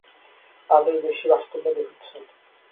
আবে বেশি বাস্তববাদী হচ্ছো।